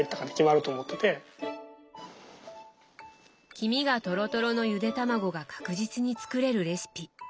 黄身がトロトロのゆでたまごが確実に作れるレシピ。